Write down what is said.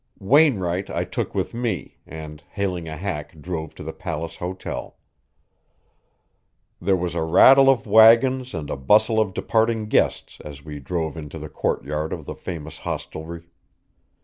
Wainright I took with me, and hailing a hack drove to the Palace Hotel. There was a rattle of wagons and a bustle of departing guests as we drove into the courtyard of the famous hostelry.